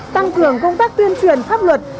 tăng cường công tác tuyên truyền pháp luật